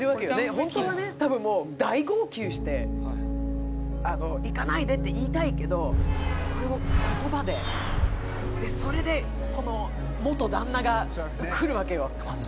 ホントはね多分もう大号泣して行かないでって言いたいけどそれを言葉ででそれでこの元旦那が来るわけよ